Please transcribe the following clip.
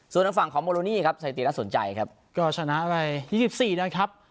ส่วนด้านฝั่งของโบโลนีครับสถิติน่าสนใจครับก็ชนะไปยี่สิบสี่นะครับ